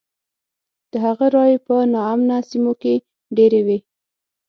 د هغه رایې په نا امنه سیمو کې ډېرې وې.